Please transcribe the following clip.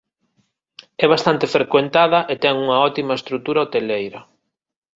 É bastante frecuentada e ten unha óptima estrutura hoteleira.